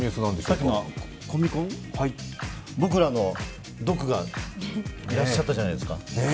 さっきのコミコン、僕らのドクがいらっしゃったじゃないですか。